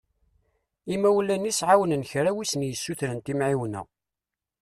Imawlan-is εawnen kra w'i sen-yessutren timεiwna.